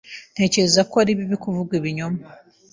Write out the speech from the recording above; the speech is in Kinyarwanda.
Ntekereza ko ari bibi kuvuga ibinyoma.